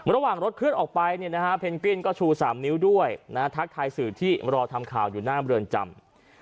ระหว่างรถเคลื่อนออกไปเพนกวินก็ชู๓นิ้วด้วยทักทายสื่อที่รอทำข่าวอยู่หน้าเมืองจำ